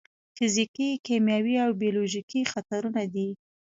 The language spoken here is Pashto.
فزیکي، کیمیاوي او بیولوژیکي خطرونه دي.